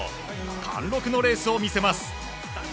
貫禄のレースを見せます。